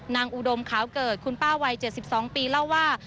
อุดมขาวเกิดคุณป้าวัย๗๒ปีเล่าว่า